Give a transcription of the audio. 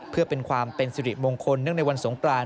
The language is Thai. เพื่อเป็นความเป็นสิริมงคลเนื่องในวันสงกราน